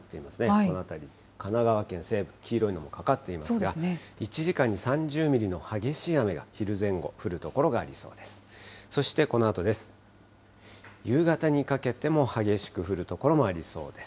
この辺り、神奈川県西部、黄色いもの、かかっていますが、１時間に３０ミリの激しい雨が昼前後、降る所がありそうです。